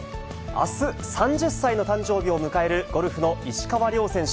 あす３０歳の誕生日を迎えるゴルフの石川遼選手。